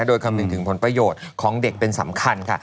โดยคำนึงถึงผลประโยชน์ของเด็กเป็นสำคัญค่ะ